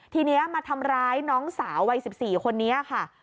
ทีนี้มาทำร้ายน้องสาววัย๑๔คนนี้ค่ะ